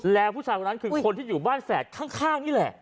แล้วผู้ชายคนนั้นคือคนที่อยู่บ้านแฝดข้างนี่แหละ